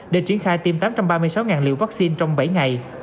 để triển khai tiêm tám trăm ba mươi sáu liều vaccine trong bảy ngày